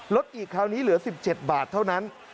ลดอีกคราวนี้เหลือ๑๗บาทเท่านั้น